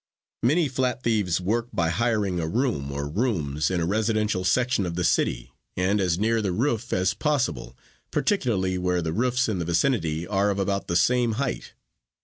"Many flat thieves work by hiring a room or rooms in a residential section of the city and as near the roof as possible, particularly where the roofs in the vicinity are of about the same height.